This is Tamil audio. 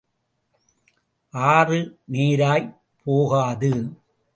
ஆறு நேராய்ப் போகாது.